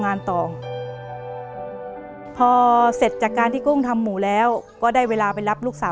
เปลี่ยนเพลงเพลงเก่งของคุณและข้ามผิดได้๑คำ